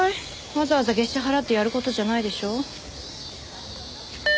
わざわざ月謝払ってやる事じゃないでしょ。